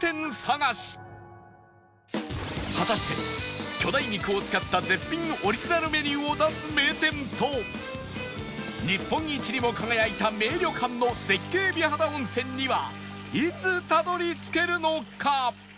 果たして巨大肉を使った絶品オリジナルメニューを出す名店と日本一にも輝いた名旅館の絶景美肌温泉にはいつたどり着けるのか？